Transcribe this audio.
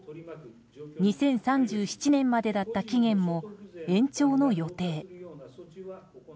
２０３７年までだった期限も延長の予定。